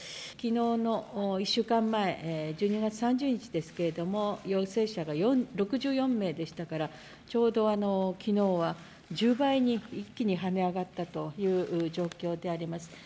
きのうの１週間前、１２月３０日ですけれども、陽性者が６４名でしたから、ちょうどきのうは１０倍に一気にはね上がったという状況であります。